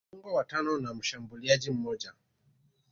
viungo watano na mshambuliaji mmoja